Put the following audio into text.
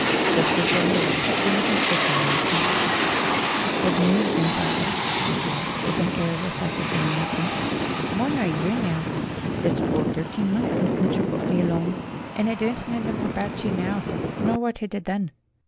Just before he left, James went fishing once more. "I've knowed you, grandfawther," he said, with an air of reflective reminiscence, "more nor a year now. It's full thirteen months since Snitcher brought me along. A DEVIL, A BOY, A DESIGNER 157 And I don't know no more abart yer nar nor whort I did then.